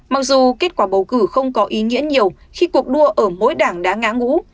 mặc dù kết quả bầu cử không có ý nghĩa nhiều khi cuộc đua ở mỗi đảng đã ngã ngũ